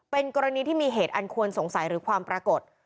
เป็นกรณีที่มีเหตุอันควรสงสัยหรือความปรากฏ